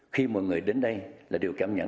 khi mọi người đến đây là điều cảm nhận